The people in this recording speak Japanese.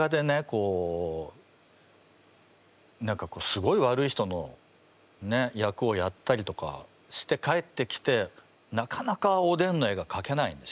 こう何かすごい悪い人のね役をやったりとかして帰ってきてなかなかおでんの絵がかけないんですよ